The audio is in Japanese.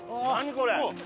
これ。